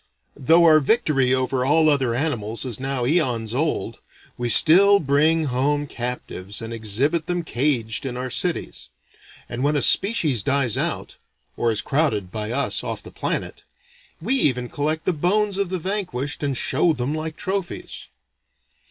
Though our victory over all other animals is now aeons old, we still bring home captives and exhibit them caged in our cities. And when a species dies out or is crowded (by us), off the planet we even collect the bones of the vanquished and show them like trophies.